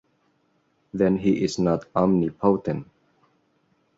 Then he is not omnipotent.